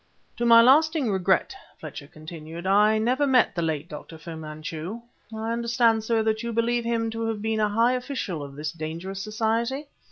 "To my lasting regret," Fletcher continued, "I never met the late Dr. Fu Manchu. I understand, sir, that you believe him to have been a high official of this dangerous society?